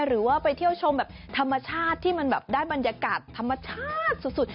หรือว่าไปเที่ยวชมแบบธรรมชาติที่มันแบบได้บรรยากาศธรรมชาติสุด